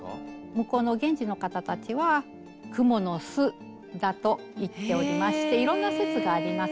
向こうの現地の方たちは「クモの巣」だと言っておりましていろんな説があります。